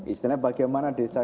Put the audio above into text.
istilahnya bagaimana desa